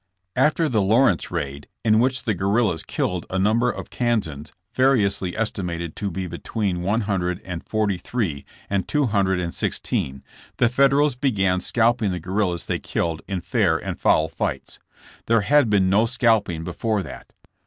After the Lawrence raid, in which the guerrillas killed a number of Kansans variously estimated to be between one hundred and forty three and two hundred and sixteen, the Federals began scalping the guerrillas they killed in fair and foul fights. There had been no scalping before that.